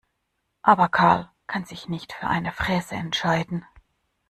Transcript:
Aber Karl kann sich nicht für eine Fräse entscheiden.